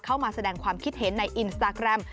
เข้ามาแสดงความคิดเห็นในอินสตาแกรม